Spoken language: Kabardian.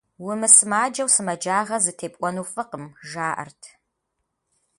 Умысымаджэу сымаджагъэ зытепӏуэну фӏыкъым, жаӏэрт.